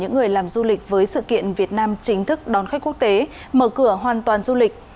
những người làm du lịch với sự kiện việt nam chính thức đón khách quốc tế mở cửa hoàn toàn du lịch